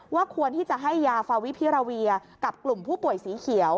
ควรที่จะให้ยาฟาวิพิราเวียกับกลุ่มผู้ป่วยสีเขียว